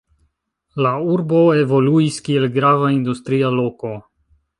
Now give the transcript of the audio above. La urbo evoluis, kiel grava industria loko.